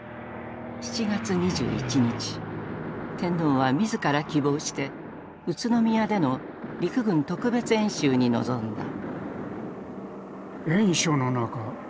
７月２１日天皇は自ら希望して宇都宮での陸軍特別演習に臨んだ。